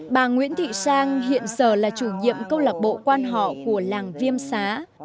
bà nguyễn thị sang hiện giờ là chủ nhiệm câu lạc bộ quan họ của làng viêm xá